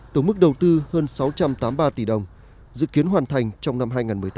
tổng mức đầu tư hơn sáu trăm tám mươi ba tỷ đồng dự kiến hoàn thành trong năm hai nghìn một mươi tám